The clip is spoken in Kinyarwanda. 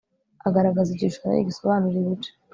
agaragaza igishushanyo gisobanura ibice